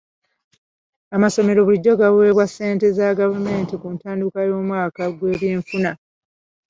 Amasomero bulijjo gaweebwa ssente za gavumenti ku ntandikwa y'omwaka gw'ebyenfuna.